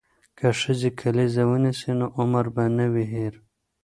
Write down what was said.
که ښځې کلیزه ونیسي نو عمر به نه وي هیر.